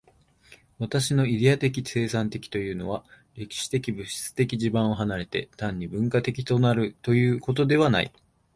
私のイデヤ的生産的というのは、歴史的物質的地盤を離れて、単に文化的となるということではない。